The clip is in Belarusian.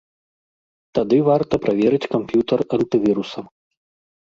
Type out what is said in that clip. Тады варта праверыць камп'ютар антывірусам.